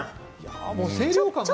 清涼感がね。